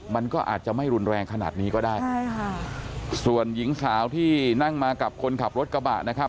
มันก็อาจจะไม่รุนแรงขนาดนี้ก็ได้ใช่ค่ะส่วนหญิงสาวที่นั่งมากับคนขับรถกระบะนะครับ